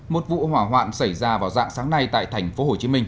một vụ hỏa hoạn xảy ra vào dạng sáng nay tại tp hcm